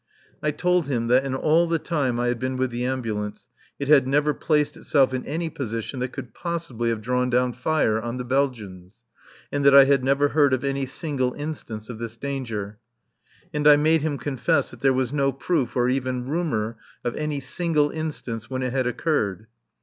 I told him that in all the time I had been with the Ambulance it had never placed itself in any position that could possibly have drawn down fire on the Belgians, and that I had never heard of any single instance of this danger; and I made him confess that there was no proof or even rumour of any single instance when it had occurred.